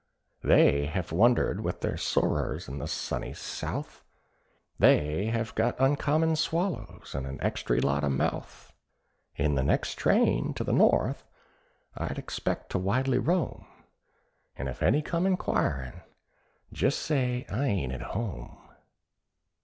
"They hev wandered with their sorrers into the sunny South, They hev got uncommon swallows and an extry lot of mouth. In the next train to the North'ard I expect to widely roam, And if any come inquirin', jist say I ain't at home."